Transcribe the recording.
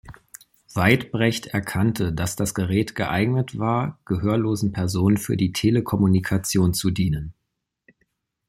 Weitbrecht erkannte, dass das Gerät geeignet war, gehörlosen Personen für die Telekommunikation zu dienen.